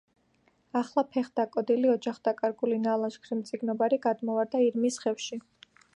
ახლა ფეხდაკოდილი, ოჯახდაკარგული, ნალაშქრი მწიგნობარი გადმოვარდა ირმის ხევში.